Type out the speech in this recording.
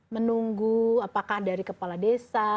menunggu apakah dari kepala desa